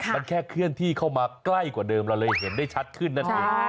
มันแค่เคลื่อนที่เข้ามาใกล้กว่าเดิมเราเลยเห็นได้ชัดขึ้นนั่นเอง